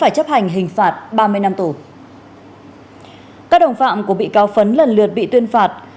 các đồng phạm của bị cáo phấn lần lượt bị tuyên phạt